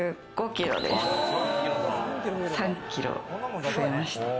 ３キロ増えました。